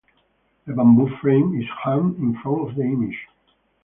A bamboo frame is hung in front of the image.